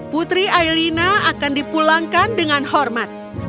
putri ailina akan dipulangkan dengan hormat